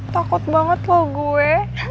takut banget loh gue